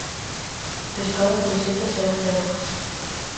Pescada con setas e acelgas.